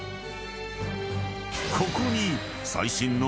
［ここに］